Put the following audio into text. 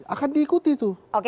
akan diikuti tuh